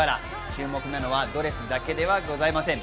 注目なのアドレスだけではございません。